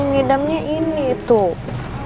ngidamnya ini tuh